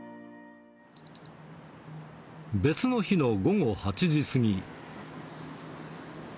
別の日の午後８時過ぎ。